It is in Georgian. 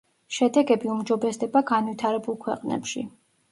შედეგები უმჯობესდება განვითარებულ ქვეყნებში.